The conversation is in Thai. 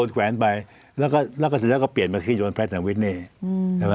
แล้วก็เปลี่ยนมาคืนโดดแพทย์แทนวิดเนย์